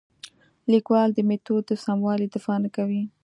لیکوال د میتود د سموالي دفاع نه کوي.